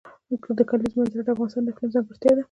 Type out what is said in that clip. د کلیزو منظره د افغانستان د اقلیم ځانګړتیا ده.